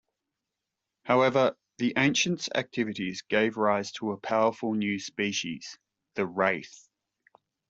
However, the Ancients' activities gave rise to a powerful new species, the Wraith.